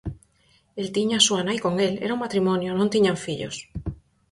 El tiña a súa nai con el, era un matrimonio, non tiñan fillos.